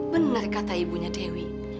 benar kata ibunya dewi